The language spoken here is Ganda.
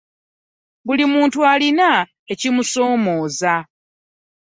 buli muntu alina ekimusoomooza.